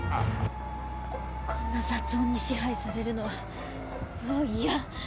こんな雑音に支配されるのはもう嫌。